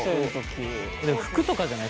服とかじゃない？